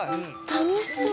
楽しそう。